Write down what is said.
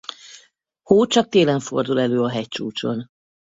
Hó csak télen fordul elő a hegycsúcson.